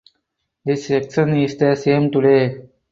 This section is the same today.